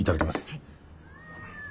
はい。